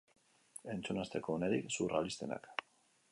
Entzun asteko unerik surrealistenak.